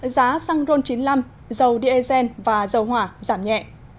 giá xăng ron chín mươi năm dầu diesel và dầu hỏa giảm nhẹ